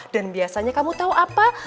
dan biasanya kamu tau apa